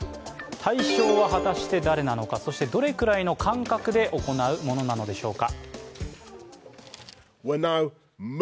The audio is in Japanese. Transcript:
対象は果たして誰なのか、そしてどれくらいの間隔で行うものなのでしょうか。